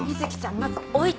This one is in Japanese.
まず置いて。